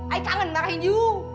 ayah kangen merahin you